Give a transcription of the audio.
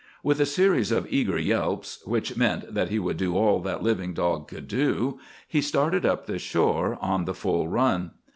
With a series of eager yelps—which meant that he would do all that living dog could do—he started up the shore, on the full run.